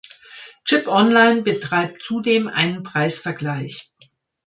Chip Online betreibt zudem einen Preisvergleich.